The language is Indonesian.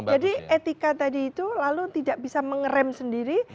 jadi etika tadi itu lalu tidak bisa mengerem sendiri